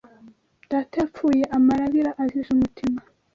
Data yapfuye amarabira azize umutima